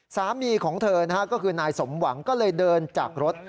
สามีของเธอนะฮะก็คือนายสมหวังก็เลยเดินจากรถ